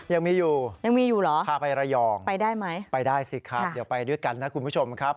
ยังมีอยู่พาไประยองไปได้ไหมไปได้สิครับไปด้วยกันนะคุณผู้ชมครับ